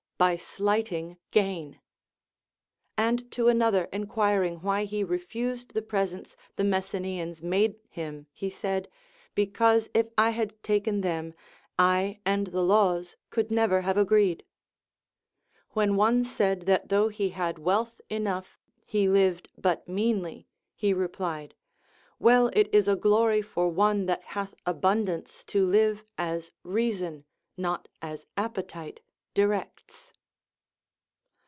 By slighting gain. And to another enquiring why he refused the pres ents the Messenians made him he said. Because, if I had taken them, I and the laws could never have agreed. LACONIC APOPHTHEGMS. 401 ^Vhen one said that though he had wealth enough he lived but meanly, he replied, AYell, it is a glory for one that hath abundance to live as reason not as appetite directs.